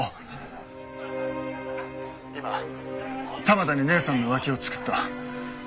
今玉田に姐さんの浮気をチクった。